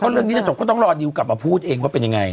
เรื่องนี้จะจบก็ต้องรอดิวกลับมาพูดเองว่าเป็นยังไง